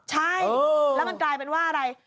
ใช่แล้วมันกลายเป็นว่าอะไร